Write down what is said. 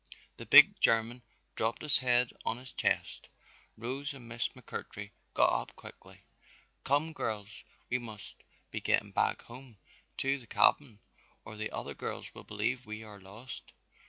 The big German dropped his head on his chest. Rose and Miss McMurtry got up quickly, "Come, girls, we must be getting back home to the cabin or the other girls will believe we are lost.